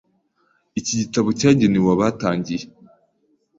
Iki gitabo cyagenewe abatangiye.